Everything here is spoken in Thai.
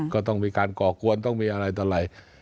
ก็ต้องมีการก่อกวนต้องมีอะไรต่อไหล่